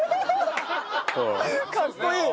かっこいい！